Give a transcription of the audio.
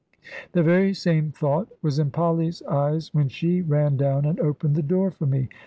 The very same thought was in Polly's eyes when she ran down and opened the door for me.